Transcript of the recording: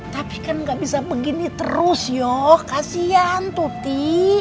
tapi kan gak bisa begini terus yoh kasihan tuti